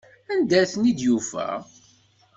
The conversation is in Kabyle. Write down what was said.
Anda ay ten-id-yufa?